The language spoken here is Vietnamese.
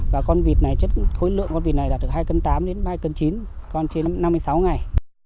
và con vịt này chất khối lượng con vịt này đạt được hai cân tám đến hai cân chín còn trên năm mươi sáu ngày